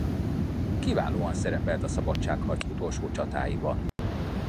Kiválóan szerepelt a szabadságharc utolsó csatáiban.